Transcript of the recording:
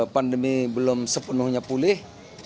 pandemi belum sepenuhnya pulih